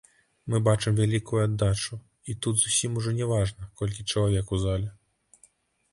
Мы бачым вялікую аддачу, і тут зусім ужо не важна, колькі чалавек у зале.